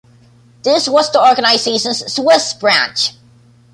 This was the organization's Swiss branch.